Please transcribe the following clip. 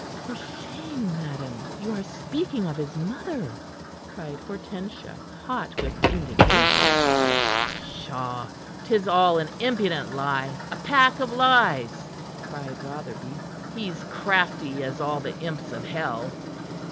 "For shame, madam! You are speaking of his mother," cried Hortensia, hot with indignation. "Pshaw! 'Tis all an impudent lie a pack of lies!" cried Rotherby. "He's crafty as all the imps of hell."